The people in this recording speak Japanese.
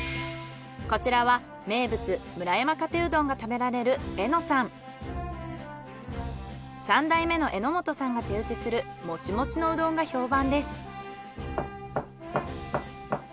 こちらは名物村山かてうどんが食べられる３代目の榎本さんが手打ちするもちもちのうどんが評判です。